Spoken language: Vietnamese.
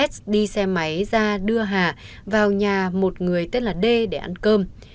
s đi xe máy ra đưa hà vào nhà một người tên là d để ăn cơm